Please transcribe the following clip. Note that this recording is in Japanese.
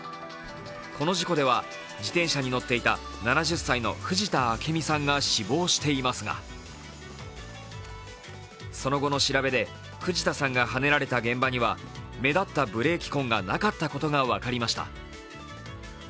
この事故では、自転車に乗っていた７０歳の藤田明美さんが死亡していますがその後の調べで藤田さんがはねられた現場には目立ったブレーキ痕がなかったことが分かりました。